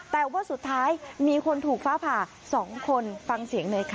แต่ว่าสุดท้ายมีคนถูกฟ้าผ่า๒คนฟังเสียงหน่อยค่ะ